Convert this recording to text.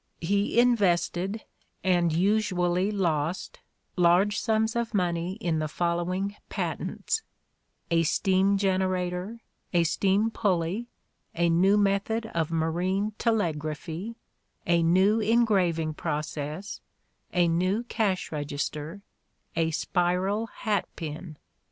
He in vested, and usually lost, large sums of money in the following patents: a steam generator, a steam pulley, a new method of marine telegraphy, a new engraving process, a new cash register, a spiral hatpin.